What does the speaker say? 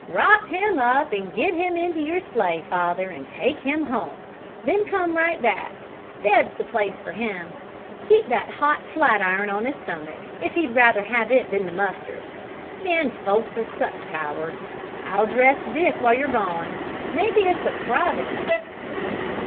"Wrop him up and get him into your sleigh, father, and take him home; then come right back. Bed's the place for him. Keep that hot flat iron on his stomach, if he'd rather have it than the mustard. Men folks are such cowards. I'll dress Dick while you're gone. Mebbe it's a Providence!"